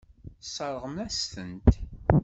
Tesseṛɣemt-asen-tent.